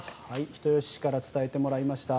人吉市から伝えてもらいました。